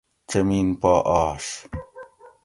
چمین پا آش